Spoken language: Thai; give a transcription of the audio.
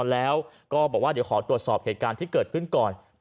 และยืนยันเหมือนกันว่าจะดำเนินคดีอย่างถึงที่สุดนะครับ